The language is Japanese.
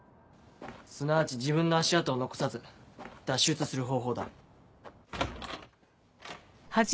すなわち自分の足跡を残さず脱出する方法だ。